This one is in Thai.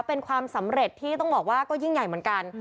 เป็นความสำเร็จที่ต้องบอกว่าก็ยิ่งใหญ่เหมือนกัน